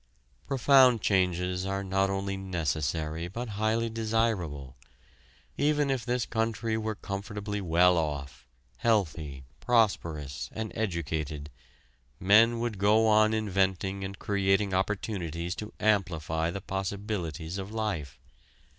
Profound changes are not only necessary, but highly desirable. Even if this country were comfortably well off, healthy, prosperous, and educated, men would go on inventing and creating opportunities to amplify the possibilities of life.